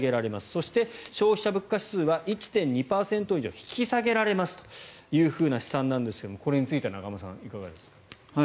そして、消費者物価指数は１．２％以上引き下げられますという試算ですがこれについて永濱さん、いかがですか。